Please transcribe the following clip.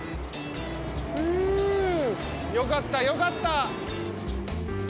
ふうよかったよかった。